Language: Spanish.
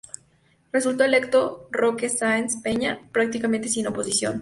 Resultó electo Roque Sáenz Peña, prácticamente sin oposición.